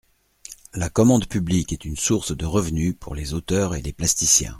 La commande publique est une source de revenus pour les auteurs et les plasticiens.